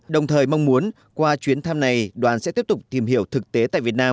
đồng thời mong muốn qua chuyến thăm này đoàn sẽ tiếp tục tìm hiểu thực tế tại việt nam